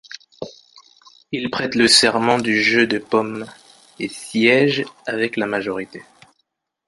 Il prête le serment du jeu de Paume et siège avec la majorité.